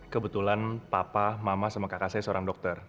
kebetulan papa mama sama kakak saya seorang dokter